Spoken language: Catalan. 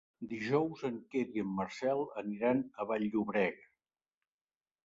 Dijous en Quer i en Marcel aniran a Vall-llobrega.